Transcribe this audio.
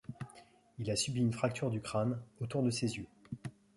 Il a subi une fracture du crâne, autour de ses yeux.